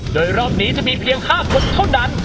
โดยรอบนี้จะมีเพียง๕คนเท่านั้น